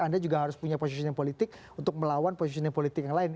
anda juga harus punya positioning politik untuk melawan positioning politik yang lain